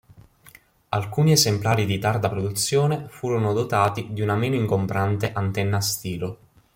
Alcuni esemplari di tarda produzione furono dotati di una meno ingombrante antenna a stilo.